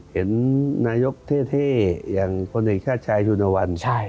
เห็นนายกเท่อย่างพลเอกชาติชายยูนวัล